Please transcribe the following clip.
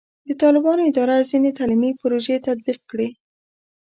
د طالبانو اداره ځینې تعلیمي پروژې تطبیق کړي.